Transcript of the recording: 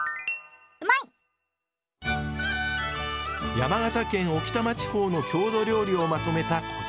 山形県置賜地方の郷土料理をまとめたこちらの本。